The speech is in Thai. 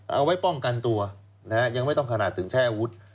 เอาไว้ป้องกันตัวนะฮะยังไม่ต้องขนาดถึงใช้อาวุธ